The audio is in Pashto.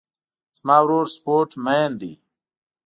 زما ورور سپورټ مین ده